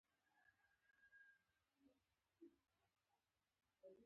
دا نه فضیلت دی او نه رذیلت.